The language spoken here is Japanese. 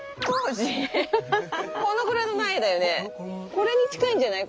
これに近いんじゃない？